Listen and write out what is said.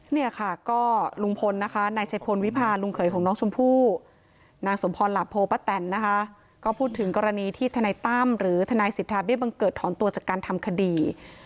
เนี่ยค่ะก็ลุงพลนะคะนายชัยพลวิพาลุงเขยของน้องชมพู่นางสมพรหลาโพป้าแตนนะคะก็พูดถึงกรณีที่ทนายตั้มหรือทนายสิทธาเบี้บังเกิดถอนตัวจากการทำคดี